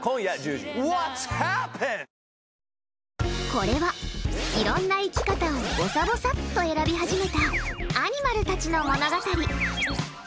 これは、いろんな生き方をぼさぼさっと選び始めたアニマルたちの物語。